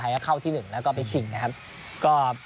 เข้าที่๑แล้วก็ไปชิงนะครับ